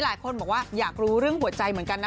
หลายคนบอกว่าอยากรู้เรื่องหัวใจเหมือนกันนะ